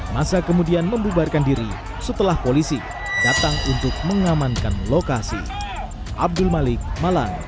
masa kemudian membubarkan diri setelah polisi datang untuk mengamankan lokasi abdul malik malang